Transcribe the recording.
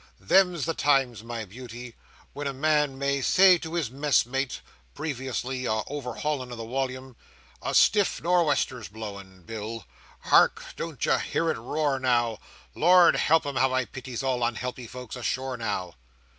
Them's the times, my beauty, when a man may say to his messmate (previously a overhauling of the wollume), 'A stiff nor'wester's blowing, Bill; hark, don't you hear it roar now! Lord help 'em, how I pitys all unhappy folks ashore now!